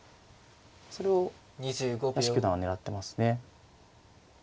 それを屋敷九段は狙ってますね。